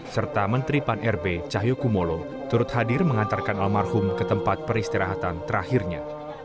serta menteri pan rb cahyokumolo turut hadir mengantarkan almarhum ke tempat peristirahatan terakhirnya